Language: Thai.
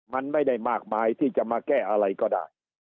มันไม่ได้มากมายที่จะมาแก้อะไรก็ได้